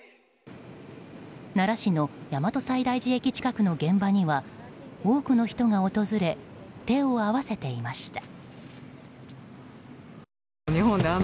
奈良市の大和西大寺駅近くの現場には多くの人が訪れ手を合わせていました。